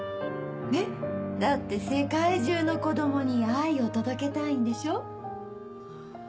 えっ？だって世界中の子供に愛を届けたいんでしょ？